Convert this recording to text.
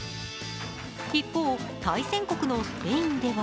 一方、対戦国のスペインでは